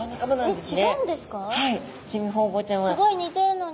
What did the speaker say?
すごい似てるのに。